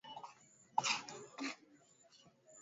Tangu uhuru soka lilipanuka sana katika nchi huru za Afrika